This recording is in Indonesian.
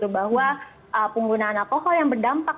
bahwa penggunaan alkohol yang berdampak